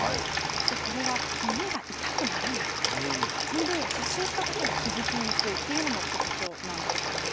でこれは耳が痛くならないので発症したことに気付きにくいっていうのも特徴なんだそうです。